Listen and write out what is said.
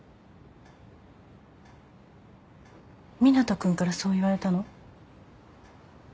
湊斗君からそう言われたの？